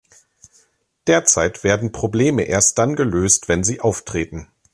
Derzeit werden Probleme erst dann gelöst, wenn sie auftreten.